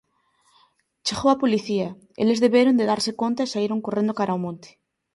Chegou a policía, eles deberon de darse conta e saíron correndo cara ao monte.